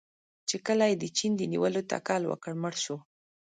چې کله یې د چین د نیولو تکل وکړ، مړ شو.